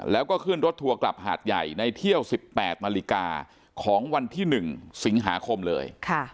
แล้วก็ขึ้นรถทัวร์กลับหาดใหญ่ในเที่ยว๑๘นาฬิกาของวันที่๑สิงหาคมเลย